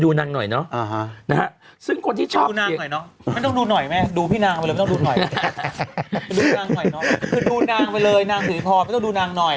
ดูนางหน่อยเนอะคือดูนางไปเลยนางสิริพรไม่ต้องดูนางหน่อย